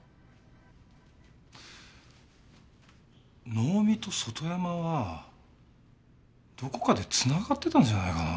能見と外山はどこかで繋がってたんじゃないかなあ？